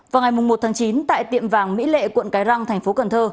vào ngày một tháng chín tại tiệm vàng mỹ lệ quận cái răng thành phố cần thơ